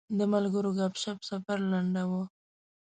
د ملګرو ګپ شپ سفر لنډاوه.